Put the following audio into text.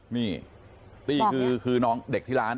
นี่ตี้คือน้องเด็กที่ร้าน